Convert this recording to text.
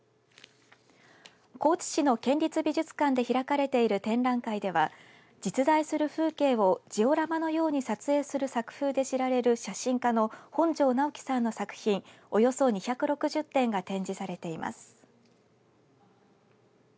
高知市の県立美術館で開かれている展覧会では実在する風景をジオラマのように撮影する作風で知られる写真家の本城直季さんの作品およそ２６０点が展示されています。